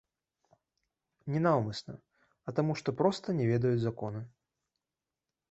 Не наўмысна, а таму што проста не ведаюць законы?